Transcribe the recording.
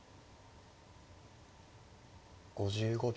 ５５秒。